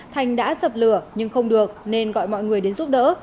thành đã sập lửa nhưng không được nên gọi mọi người đến giúp đỡ